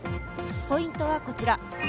ポイントはこちら。